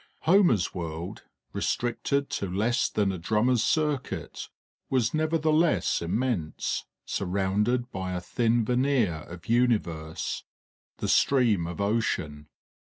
Homer's world, restricted to less than a drummer's circuit, was nevertheless immense, surrounded by a thin veneer of universe the Stream of Ocean.